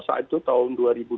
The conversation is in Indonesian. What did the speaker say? saat itu tahun dua ribu dua puluh